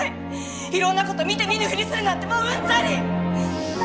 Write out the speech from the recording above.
いろんな事見て見ぬふりするなんてもううんざり！